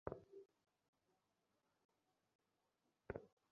Simba অনেক অসহায়।